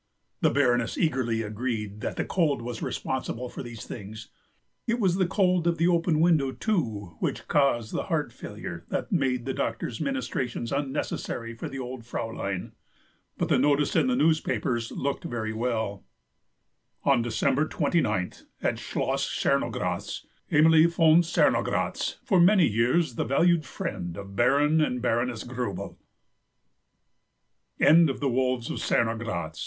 The Baroness eagerly agreed that the cold was responsible for these things. It was the cold of the open window, too, which caused the heart failure that made the doctor's ministrations unnecessary for the old Fraulein. But the notice in the newspapers looked very well— "On December 29th, at Schloss Cernogratz, Amalie von Cernogratz, for many years the valued friend of Baron and Baroness Gruebel." p. 49LOUIS "It would be jolly to spend Easter in V